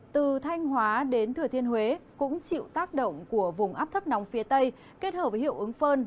tiến thừa thiên huế cũng chịu tác động của vùng áp thấp nóng phía tây kết hợp với hiệu ứng phơn